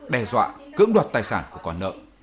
đe dọa cưỡng đoạt tài sản của con nợ